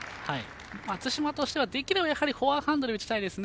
松島としてはできればフォアハンドで打ちたいですね。